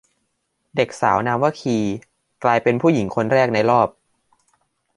เด็กสาวนามว่า คี กลายเป็นผู้หญิงคนแรกในรอบ